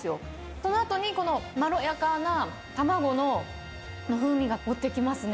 そのあとにこのまろやかな卵の風味が追ってきますね。